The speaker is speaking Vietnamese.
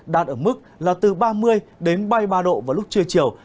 đạt ở mức là từ ba mươi đến ba mươi ba độ vào lúc trưa chiều